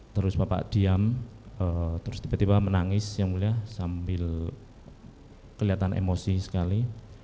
terus bapak diam terus tiba tiba menangis yang mulia sambil kelihatan emosi sekali